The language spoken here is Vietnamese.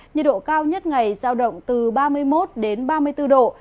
nhiệt độ cao nhất ngày giao động từ ba mươi một đến ba mươi bốn độ